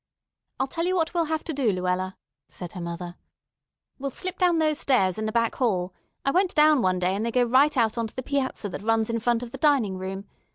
"I'll tell you what we'll have to do, Luella," said her mother. "We'll slip down those stairs in the back hall. I went down one day, and they go right out on the piazza that runs in front of the dining room.